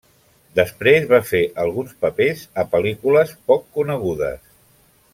Després va fer alguns papers a pel·lícules poc conegudes.